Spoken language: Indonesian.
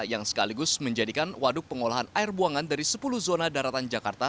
yang sekaligus menjadikan waduk pengolahan air buangan dari sepuluh zona daratan jakarta